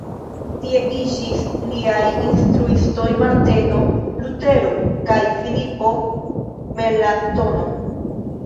Tie iĝis liaj instruistoj Marteno Lutero kaj Filipo Melanktono.